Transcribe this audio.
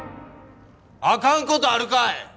あかん事あるかい！